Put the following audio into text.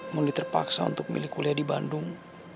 mondi terpaksa untuk milih kuliah di bandung